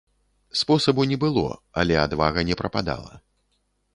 Спосабу не было, але адвага не прападала.